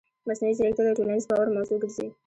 مصنوعي ځیرکتیا د ټولنیز باور موضوع ګرځي.